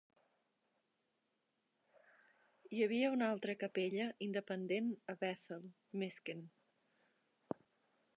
Hi havia una altra capella independent a Bethel, Miskin.